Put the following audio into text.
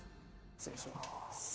失礼します。